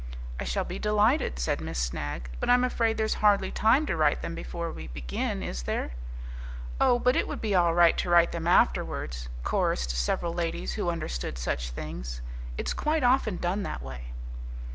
"I shall be delighted," said Miss Snagg, "but I'm afraid there's hardly time to write them before we begin, is there?" "Oh, but it would be all right to write them afterwards," chorussed several ladies who understood such things; "it's quite often done that way."